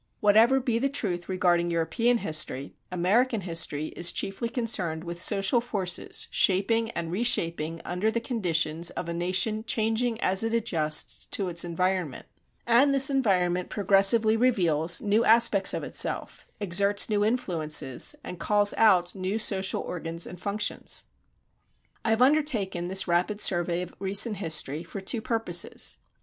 Whatever be the truth regarding European history, American history is chiefly concerned with social forces, shaping and reshaping under the conditions of a nation changing as it adjusts to its environment. And this environment progressively reveals new aspects of itself, exerts new influences, and calls out new social organs and functions. I have undertaken this rapid survey of recent history for two purposes.